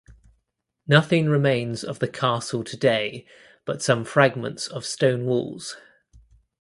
Nothing remains of the castle today but some fragments of stone walls.